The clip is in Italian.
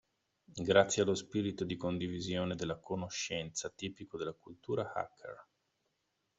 Grazie allo spirito di condivisione della conoscenza tipico della cultura hacker.